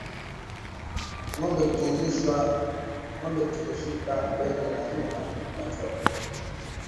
Ngombe kutingishika mbele na nyuma wakati wa kupumua